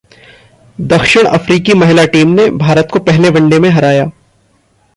दक्षिण अफ्रीकी महिला टीम ने भारत को पहले वनडे में हराया